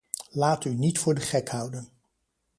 Laat u niet voor de gek houden.